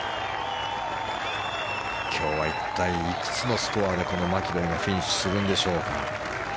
今日は一体いくつのスコアでマキロイがフィニッシュするんでしょうか。